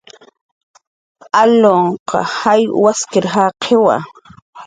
Alunh jay wasir jaqiwa